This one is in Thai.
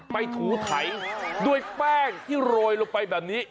ถูไถด้วยแป้งที่โรยลงไปแบบนี้